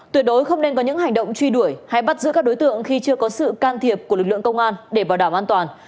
tuyệt đối không nên có những hành động truy đuổi hay bắt giữ các đối tượng khi chưa có sự can thiệp của lực lượng công an để bảo đảm an toàn